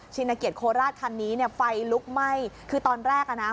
เกียรติโคราชคันนี้เนี่ยไฟลุกไหม้คือตอนแรกอ่ะนะ